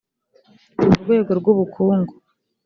mu rwego rw ubukungu